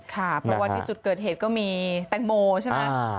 ค่ะเพราะว่าที่จุดเกิดเหตุก็มีแตงโมใช่ไหม